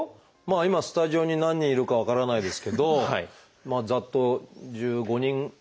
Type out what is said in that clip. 今スタジオに何人いるか分からないですけどざっと１５人ぐらいいるんですかね。